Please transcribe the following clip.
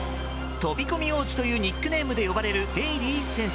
飛び込み王子というニックネームで呼ばれるデーリー選手。